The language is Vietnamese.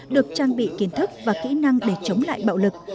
được trang bị kiến thức và kỹ năng để chống lại bạo lực